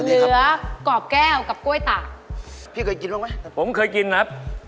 เหลือกรอบแก้วกับกล้วยตากพี่เคยกินบ้างไหมแต่ผมเคยกินครับ